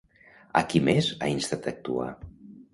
A qui més ha instat a actuar?